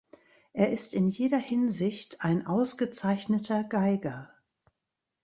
Er ist in jeder Hinsicht ein ausgezeichneter Geiger.